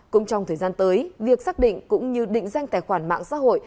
cũng trong thời gian tới việc xác định cũng như định danh tài khoản mạng xã hội